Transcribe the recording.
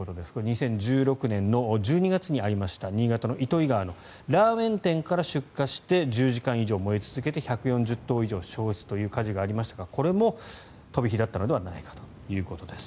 ２０１６年の１２月にありました新潟の糸魚川のラーメン店から出火して１０時間以上燃え続けて１４０棟以上焼失という火事がありましたがこれも飛び火だったのではないかということです。